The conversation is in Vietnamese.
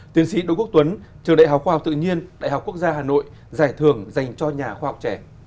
tiến sĩ đỗ quốc tuấn trường đại học khoa học tự nhiên đại học quốc gia hà nội giải thưởng dành cho nhà khoa học trẻ